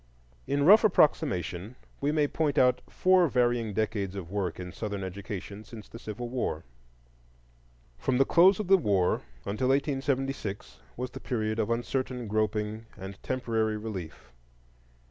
In rough approximation we may point out four varying decades of work in Southern education since the Civil War. From the close of the war until 1876, was the period of uncertain groping and temporary relief.